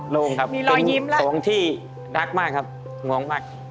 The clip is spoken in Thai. โล่งครับเป็นส่วนที่รักมากครับหวงมากมีรอยยิ้มแล้ว